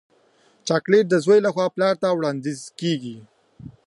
چاکلېټ د زوی له خوا پلار ته وړاندیزېږي.